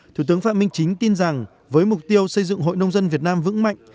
thủ tướng phạm minh chính tin rằng với mục tiêu xây dựng hội nông dân việt nam vững mạnh